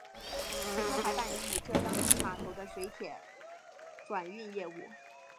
其中还办理与浙江第一码头的水铁转运业务。